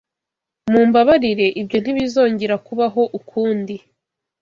Mumbabarire, ibyo ntibizongera kubaho ukundi.